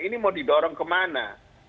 ini mau didorong kemana